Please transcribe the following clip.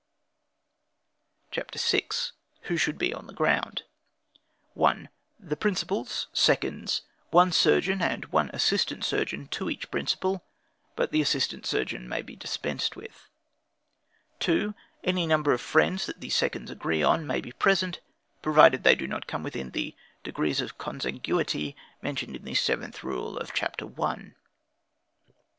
CHAPTER VI. Who Should Be on the Ground. 1. The principals, seconds, one surgeon and one assistant surgeon to each principal; but the assistant surgeon may be dispensed with. 2. Any number of friends that the seconds agree on, may be present, provided they do not come within the degrees of consanguinity mentioned in the seventh rule of Chapter I. 3.